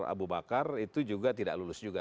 abu bakar itu juga tidak lulus juga